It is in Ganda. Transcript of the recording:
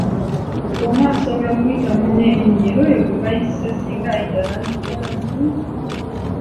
Omu asbola okuyita munne erinnya era oyo gwe bayise singa ayitaba nti, wangi?